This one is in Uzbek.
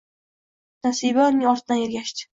Nasiba uning ortidan ergashdi